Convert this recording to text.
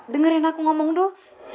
dengerin aku ngomong dulu